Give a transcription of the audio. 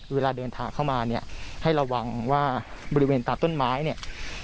เวลาเดินทางเข้ามาเนี่ยให้ระวังว่าบริเวณตาต้นไม้เนี่ย